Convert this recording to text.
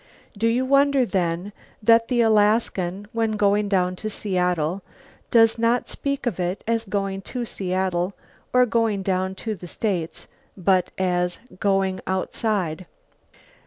Do you wonder, then, that the Alaskan, when going down to Seattle, does not speak of it as going to Seattle or going down to the States but as "going outside"?